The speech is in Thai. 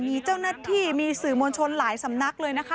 มีเจ้าหน้าที่มีสื่อมวลชนหลายสำนักเลยนะคะ